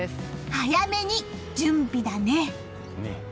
早めに準備だね！